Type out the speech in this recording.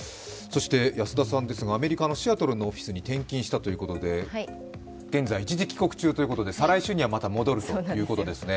安田さん、アメリカのシアトルのオフィスに転勤したということで現在一時帰国中ということで再来週にはまた戻るということですね。